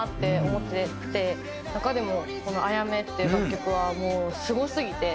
中でもこの『アヤメ』っていう楽曲はもうすごすぎて。